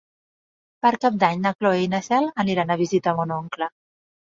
Per Cap d'Any na Cloè i na Cel aniran a visitar mon oncle.